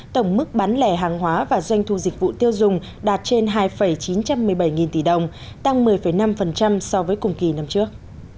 tổng mức bán lẻ hàng hóa và doanh thu dịch vụ tiêu dùng đạt trên hai chín trăm một mươi bảy tỷ đồng tăng một mươi năm so với cùng kỳ năm trước